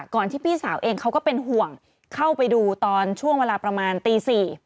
ที่พี่สาวเองเขาก็เป็นห่วงเข้าไปดูตอนช่วงเวลาประมาณตี๔